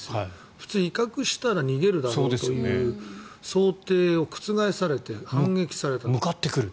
普通、威嚇したら逃げるだろうという想定を覆されて向かってくる。